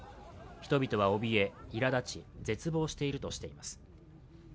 人々はおびえ、いらだち、絶望しているとしています。